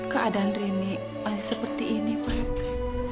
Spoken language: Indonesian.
keadaan rini masih seperti ini pak rite